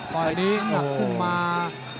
ปล่อยน้ำหนักขึ้นมา